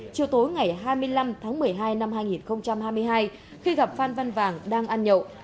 chiều tối ngày hai mươi năm tháng một mươi hai năm hai nghìn hai mươi hai khi gặp phan văn vàng đang ăn nhậu